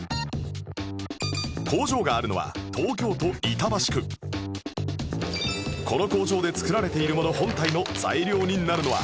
工場があるのはこの工場で作られているもの本体の材料になるのは